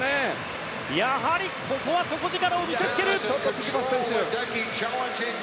やはりここは底力を見せつける。